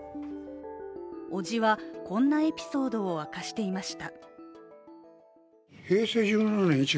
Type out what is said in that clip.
伯父は、こんなエピソードを明かしていました。